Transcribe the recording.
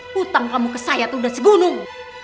hutang kamu ke saya tuh udah segunung